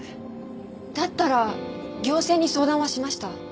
だったら行政に相談はしました？